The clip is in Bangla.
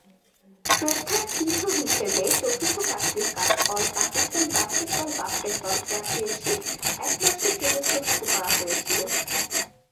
শ্রদ্ধার চিহ্ন হিসাবে চতুর্থ Kashmir cup all Pakistan basketball basketball championship এক মাসের জন্য স্থগিত করা হয়েছিল।